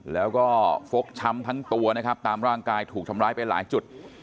แล้วก็ฟกช้ำทั้งตัวนะครับตามร่างกายถูกทำร้ายไปหลายจุด